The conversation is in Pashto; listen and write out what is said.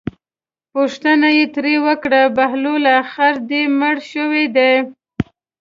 پوښتنه یې ترې وکړه بهلوله خر دې مړ شوی دی.